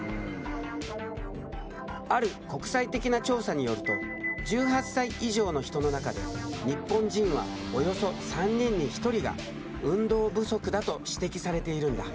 ある国際的な調査によると１８歳以上の人の中で日本人はおよそ３人に１人が運動不足だと指摘されているんだ。